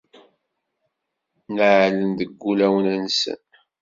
Neɛɛlen deg wulawen-nsen.